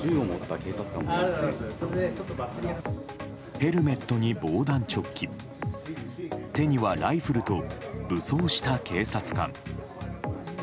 ヘルメットに防弾チョッキ手にはライフルと武装した警察官。